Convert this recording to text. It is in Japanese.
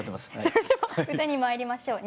それでは歌にまいりましょう。